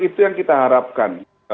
itu yang kita harapkan